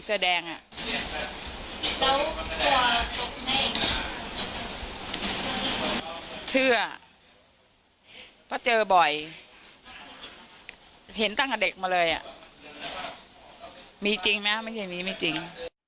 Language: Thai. เชื่อเพราะเจอบ่อยเห็นตั้งแต่เด็กมาเลยอ่ะมีจริงนะไม่ใช่มีไม่จริง